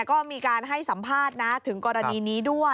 ก็มีการให้สัมภาษณ์นะถึงกรณีนี้ด้วย